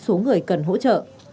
số người cần hỗ trợ